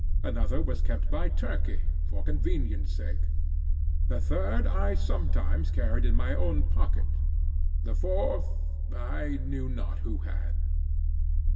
Another was kept by Turkey for convenience sake. The third I sometimes carried in my own pocket. The fourth I knew not who had.